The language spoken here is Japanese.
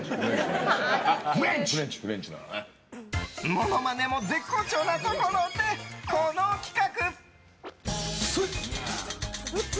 ものまねも絶好調なところでこの企画。